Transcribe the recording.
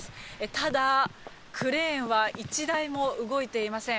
ただ、クレーンは１台も動いていません。